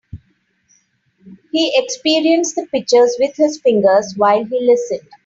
He experienced the pictures with his fingers while he listened.